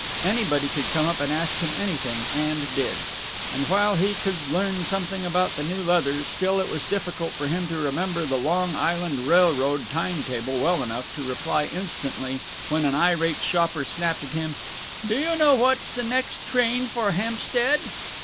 Anybody could come up and ask him anything and did. And while he could learn something about the new leathers, still it was difficult for him to remember the Long Island Railroad time table well enough to reply instantly when an irate shopper snapped at him, "Do you know what's the next train for Hempstead?"